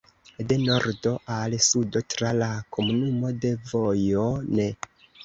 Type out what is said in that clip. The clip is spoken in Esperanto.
De nordo al sudo tra la komunumo de vojo ne.